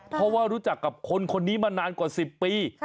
เพราะว่ารู้จักกับคนคนนี้มานานกว่า๑๐ปี